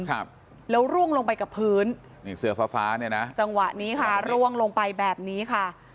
ครับแล้วร่วงลงไปกับพื้นนี่เสื้อฟ้าฟ้าเนี่ยนะจังหวะนี้ค่ะร่วงลงไปแบบนี้ค่ะ